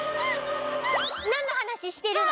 なんのはなししてるの？